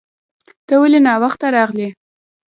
ته ولې ناوخته راغلې